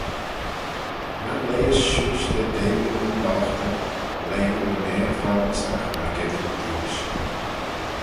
My leihys shiuish da deiney nyn loghtyn, leihee nyn Ayr flaunyssagh myrgeddin diuish.